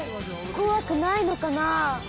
こわくないのかな？